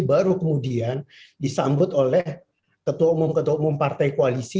baru kemudian disambut oleh ketua umum ketua umum partai koalisi